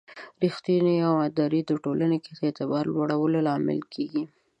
ریښتینولي او امانتداري ټولنې کې د اعتبار لوړولو لامل کېږي.